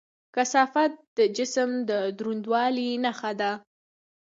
کثافت د جسم د دروندوالي نښه ده.